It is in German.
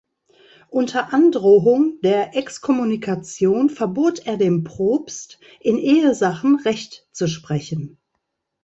Unter Androhung der Exkommunikation verbot er dem Propst, in Ehesachen Recht zu sprechen.